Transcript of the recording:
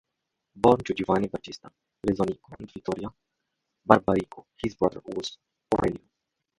Born to Giovanni Battista Rezzonico and Vittoria Barbarigo, his brother was Aurelio.